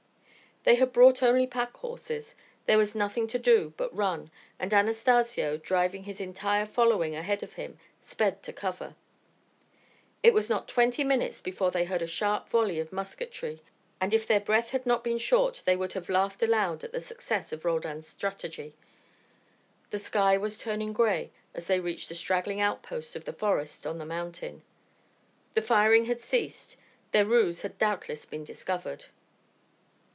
They had brought only pack horses. There was nothing to do but run, and Anastacio, driving his entire following ahead of him, sped to cover. It was not twenty minutes before they heard a sharp volley of musketry, and if their breath had not been short they would have laughed aloud at the success of Roldan's strategy. The sky was turning grey as they reached the straggling outposts of the forest on the mountain. The firing had ceased. Their ruse had doubtless been discovered.